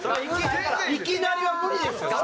いきなりは無理ですよ。